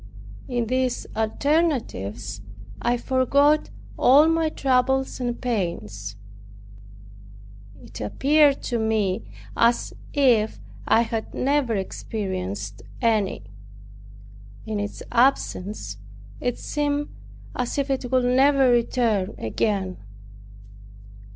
In these alternatives I forgot all my troubles and pains. It appeared to me as if I had never experienced any. In its absence, it seemed as if it would never return again.